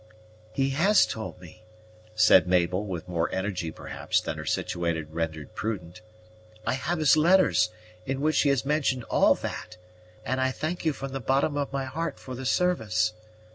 "He has told me," said Mabel, with more energy perhaps than her situation rendered prudent. "I have his letters, in which he has mentioned all that, and I thank you from the bottom of my heart for the service.